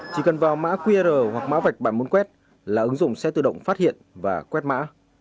chỉ cần vào mã qr hoặc mã vạch bạn muốn quét là ứng dụng sẽ tự động phát hiện và quét mã